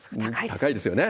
高いですよね。